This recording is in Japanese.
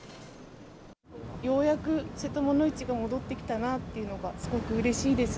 ようやく、せともの市が戻ってきたなっていうのが、すごくうれしいです。